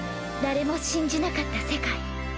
誰も信じなかった世界。